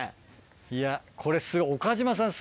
いやこれすごい岡島さん